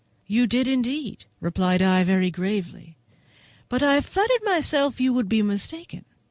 "You did, indeed," replied I very gravely; "but I flattered myself you would be mistaken."